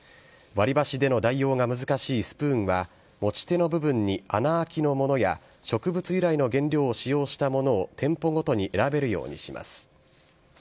割り箸での代用が難しいスプーンは、持ち手の部分に穴あきのものや、植物由来の原料を使用したものを店舗ごとに選べるようにします。